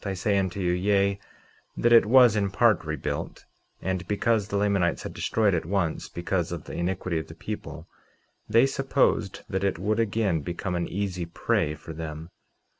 I say unto you, yea, that it was in part rebuilt; and because the Lamanites had destroyed it once because of the iniquity of the people, they supposed that it would again become an easy prey for them.